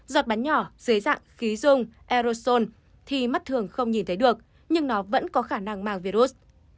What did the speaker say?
giọt bắn nhỏ dưới dạng khí dung aerosol thì mắt thường không nhìn thấy được nhưng nó vẫn có khả năng mang virus